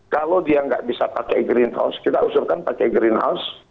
kalau dia nggak bisa pakai greenhouse kita usulkan pakai greenhouse